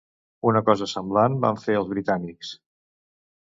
Una cosa semblant van fer els britànics